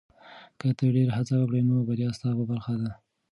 که ته ډېره هڅه وکړې، نو بریا ستا په برخه ده.